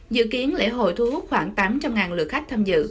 dự kiến lễ hội thu hút khoảng tám trăm linh lượt khách tham dự